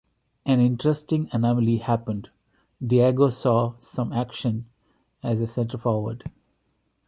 An interesting anomaly happened: Diego saw some action as a centre forward.